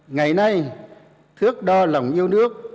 ngày nay thước đo lòng yêu nước